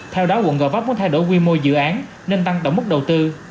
theo đó quận gò vấp muốn thay đổi quy mô dự án nên tăng tổng mức đầu tư